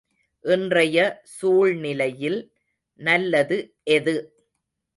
இன்றைய சூழ்நிலையில் நல்லது எது?